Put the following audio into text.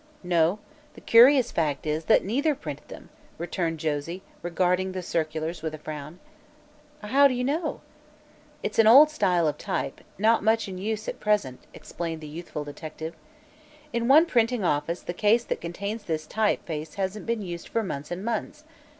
"No; the curious fact is that neither printed them," returned Josie, regarding the circulars with a frown. "How do you know?" "It's an old style of type, not much in use at present," explained the youthful detective. "In one printing office the case that contains this type face hasn't been used for months and months.